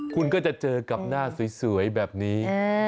คุณก็จะเจอกับหน้าสวยแบบนี้